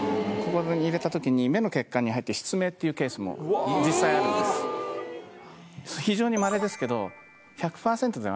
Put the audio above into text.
目の血管に入って失明っていうケースも実際あるんです。